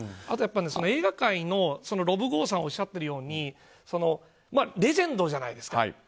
あとは映画界のロブ・ゴウさんがおっしゃってるようにレジェンドじゃないですか。